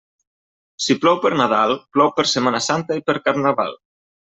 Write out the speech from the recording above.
Si plou per Nadal, plou per Setmana Santa i per Carnaval.